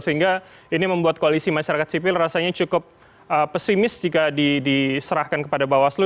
sehingga ini membuat koalisi masyarakat sipil rasanya cukup pesimis jika diserahkan kepada bawaslu